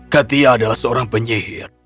katia adalah seorang penyihir